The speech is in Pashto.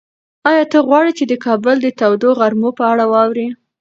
ایا ته غواړې چې د کابل د تودو غرمو په اړه واورې؟